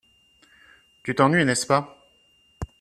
Tu t'ennuies, n'est-ce pas ?